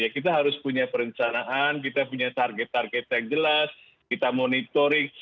kita harus punya perencanaan kita punya target target yang jelas kita monitoring